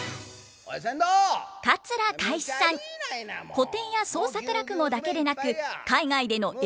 古典や創作落語だけでなく海外での英語公演も。